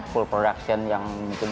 full production yang besar